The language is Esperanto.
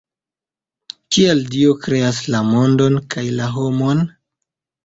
Kial Dio kreas la mondon kaj la homon?